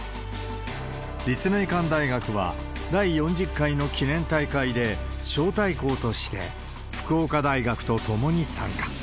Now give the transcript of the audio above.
立命館大学は第４０回の記念大会で招待校として、福岡大学と共に参加。